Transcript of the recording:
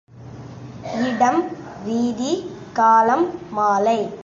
இடம் வீதி காலம் மாலை.